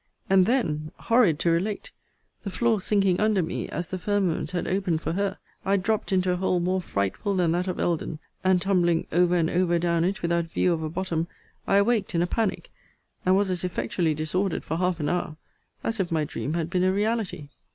And then, (horrid to relate!) the floor sinking under me, as the firmament had opened for her, I dropt into a hole more frightful than that of Elden; and, tumbling over and over down it, without view of a bottom, I awaked in a panic; and was as effectually disordered for half an hour, as if my dream had been a reality.'